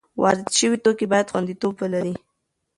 وارد شوي توکي باید خوندیتوب ولري.